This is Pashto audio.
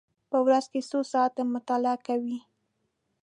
په ورځ کې څو ساعته مطالعه کوئ؟